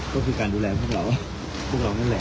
ก็คือการดูแลพวกเราพวกเรานั่นแหละ